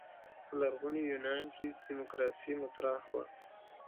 په لرغوني یونان کې دیموکراسي مطرح وه.